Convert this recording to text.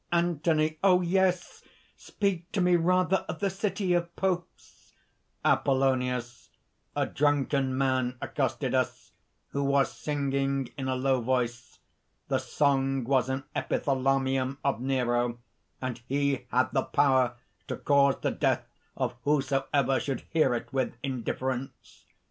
ANTHONY. "Oh! yes! speak to me rather of the City of Popes!" APOLLONIUS. "A drunken man accosted us, who was singing in a low voice. The song was an epithalamium of Nero; and he had the power to cause the death of whosoever should hear it with indifference.